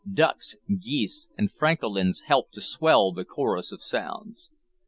Ducks, geese, and francolins helped to swell the chorus of sounds.